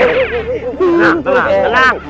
tenang tenang tenang